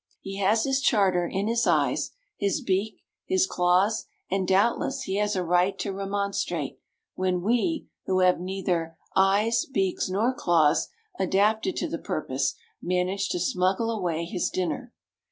He has his charter in his eyes, his beak, his claws; and doubtless he has a right to remonstrate, when we, who have neither eyes, beaks, nor claws adapted to the purpose, manage to smuggle away his dinner.